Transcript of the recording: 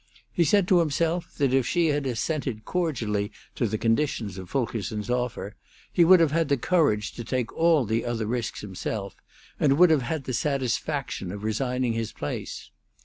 He said to himself that if she had assented cordially to the conditions of Fulkerson's offer, he would have had the courage to take all the other risks himself, and would have had the satisfaction of resigning his place.